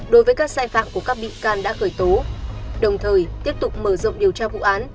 đối với các sai phạm của các bị can đã khởi tố đồng thời tiếp tục mở rộng điều tra vụ án